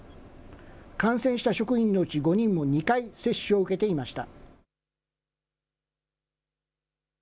感染した職員のうち５人も２回接種を受けていました。